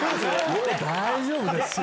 もう大丈夫ですよ。